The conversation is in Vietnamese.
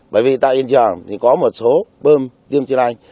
bởi vì tại hiện trường thì có một số bơm tiêm trên anh